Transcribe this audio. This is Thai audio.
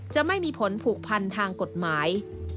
จะไม่มีผลผูกพันทางกฎหมาย